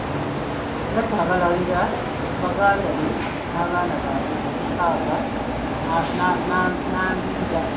Yatta abalangira baganda be n'abaana baabwe nkaaga nnambirira.